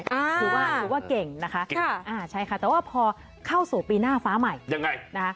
คือว่าเก่งนะคะใช่ค่ะแต่ว่าพอเข้าสู่ปีหน้าฟ้าใหม่ยังไง